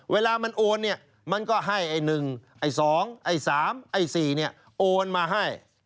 เวลามันโอนเนี่ยมันก็ให้ไอ้๑ไอ้๒ไอ้๓ไอ้๔เนี่ยโอนมาให้